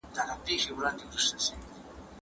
توتکیه ځان هوښیار درته ښکارېږي